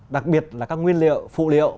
đặc biệt là các nguyên liệu phụ liệu